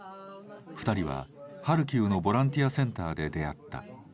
２人はハルキウのボランティアセンターで出会った。